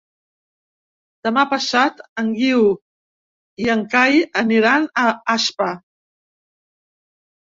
Demà passat en Guiu i en Cai aniran a Aspa.